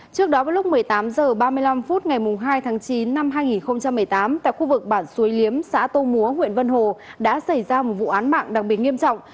trước đó vào lúc một mươi tám h ba mươi năm phút ngày hai tháng chín năm hai nghìn một mươi tám tại khu vực bản suối liếm xã tô múa huyện vân hồ đã xảy ra một vụ án mạng đặc biệt nghiêm trọng